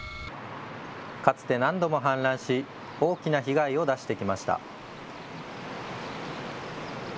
かつて何度も氾濫し大きな被害を出してきました。